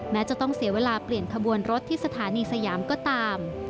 แม้จะต้องเสียเวลาเปลี่ยนขบวนรถที่สถานีสยามก็ตาม